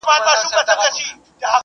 هغه د «العِبر» اثر ليکلی دی.